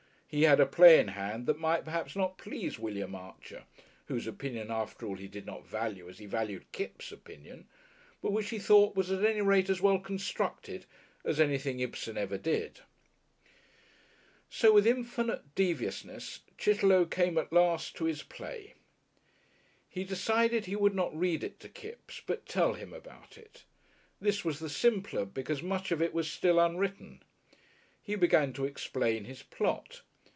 He had a play in hand that might perhaps not please William Archer whose opinion, after all, he did not value as he valued Kipps' opinion but which he thought was at any rate as well constructed as anything Ibsen ever did. So with infinite deviousness Chitterlow came at last to his play. He decided he would not read it to Kipps, but tell him about it. This was the simpler because much of it was still unwritten. He began to explain his plot.